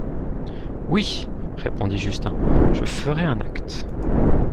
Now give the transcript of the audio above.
Oui, répondit Justin, je ferais un acte.